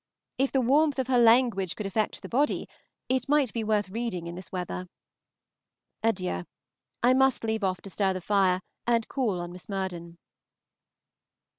If the warmth of her language could affect the body, it might be worth reading in this weather. Adieu! I must leave off to stir the fire and call on Miss Murden.